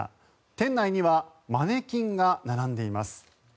店内にはマネキンが並んでいます。